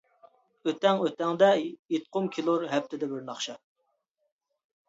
ئۆتەڭ-ئۆتەڭدە، ئېيتقۇم كېلۇر ھەپتىدە بىر ناخشا.